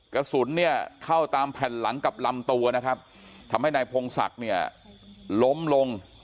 กระสุนเนี่ยเข้าตามแผ่นหลังกับลำตัวนะครับทำให้นายพงศักดิ์เนี่ยล้มลง